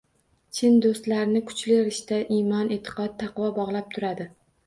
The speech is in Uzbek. Chin do‘stlarni kuchli rishta – imon, e’tiqod, taqvo bog‘lab turadi.